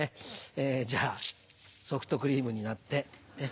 じゃあソフトクリームになって。